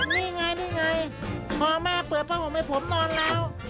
นี่ไงนี่ไงพอแม่เปิดผ้าห่มให้ผมนอนแล้ว